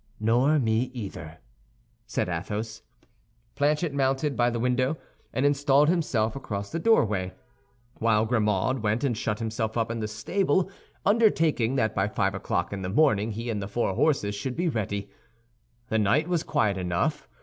"Nor me either," said Athos. Planchet mounted by the window and installed himself across the doorway, while Grimaud went and shut himself up in the stable, undertaking that by five o'clock in the morning he and the four horses should be ready. The night was quiet enough.